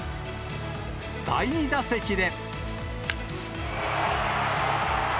第２打席で。